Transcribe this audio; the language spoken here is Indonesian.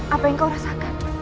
apa yang kau rasakan